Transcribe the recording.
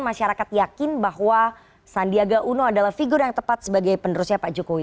masyarakat yakin bahwa sandiaga uno adalah figur yang tepat sebagai penerusnya pak jokowi